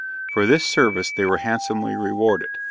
For this service they were handsomely rewarded.